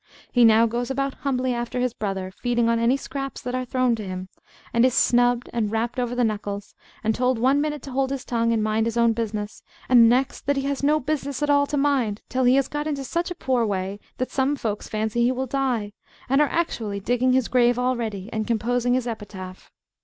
He now goes about humbly after his brother, feeding on any scraps that are thrown to him, and is snubbed and rapped over the knuckles, and told one minute to hold his tongue and mind his own business, and the next that he has no business at all to mind, till he has got into such a poor way that some folks fancy he will die, and are actually digging his grave already, and composing his epitaph.